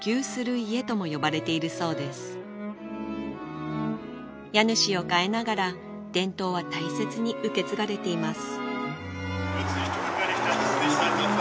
家主を変えながら伝統は大切に受け継がれています